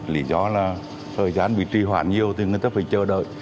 lý do là thời gian bị tri hoạn nhiều thì người ta phải chờ đợi